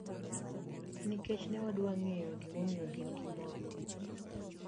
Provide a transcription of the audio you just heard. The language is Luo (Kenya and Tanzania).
Nikech ne wadwa ng'eyo gima omiyo gin gi mor ma